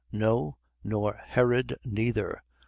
No, nor Herod neither.